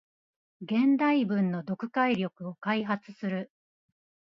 現代文の読解力を開発する